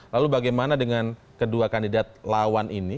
lalu bagaimana dengan kedua kandidat lawan ini